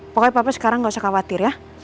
pokoknya papa sekarang nggak usah khawatir ya